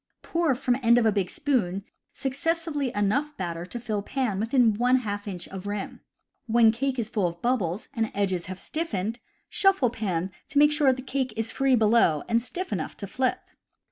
Pour from end of a big spoon successively enough batter to fill pan within one half inch of rim. When cake is full of bubbles and edges have stiffened. 124 CAMPING AND WOODCRAFT shuffle pan to make sure that cake is free below and stiff enough to flip.